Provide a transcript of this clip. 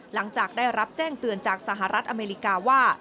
หลังจากได้รับแจ้งเตือนจากสหรัฐอเมริกาว่า